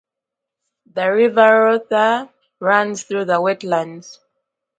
The River Rother runs through the wetlands.